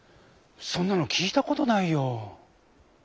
そんなのきいたことないよ。